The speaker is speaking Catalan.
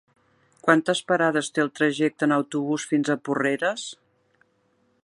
Quantes parades té el trajecte en autobús fins a Porreres?